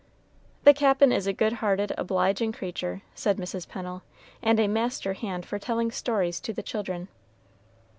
"The Cap'n is a good hearted, obliging creature," said Mrs. Pennel, "and a master hand for telling stories to the children."